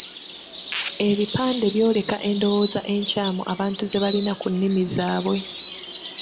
Ebipande byoleka endowooza enkyamu abantu ze balina ku nnimi zaabwe.